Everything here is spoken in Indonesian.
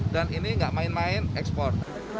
dan ini gak main main ekspor